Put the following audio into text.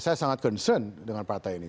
saya sangat concern dengan partai ini